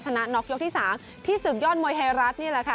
ชนะนอกยกที่๓ที่ศึกย่อนมวยไทยรัสนี่แล้วค่ะ